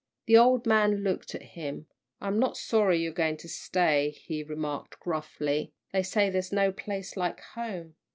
The old man looked at him. "I'm not sorry you're going to stay," he remarked, gruffly. "They say there's no place like home."